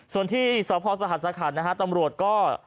ส่วนที่ศพสหรัฐสคัญนะฮะตำรวจก็